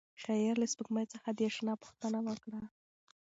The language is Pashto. شاعر له سپوږمۍ څخه د اشنا پوښتنه کوي.